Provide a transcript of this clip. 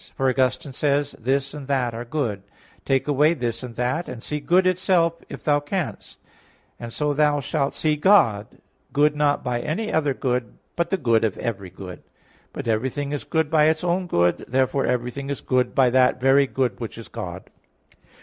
For Augustine says (De Trin. viii), "This and that are good; take away this and that, and see good itself if thou canst; and so thou shalt see God, good not by any other good, but the good of every good." But everything is good by its own good; therefore everything is good by that very good which is God.